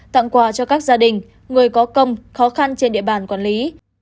tặng quà cho các gia đình người có công khó khăn trên địa bàn quản lý